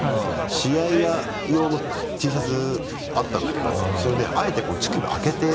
試合用のＴシャツあったんだけどそれねあえて乳首開けて。